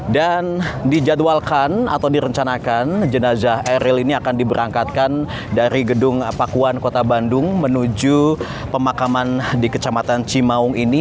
dan dijadwalkan atau direncanakan jenazah eril ini akan diberangkatkan dari gedung pakuan kota bandung menuju pemakaman di kecamatan cimaung ini